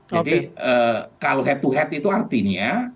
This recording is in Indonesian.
jadi kalau head to head itu artinya